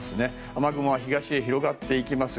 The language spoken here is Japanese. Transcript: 雨雲は東へ広がっていきます。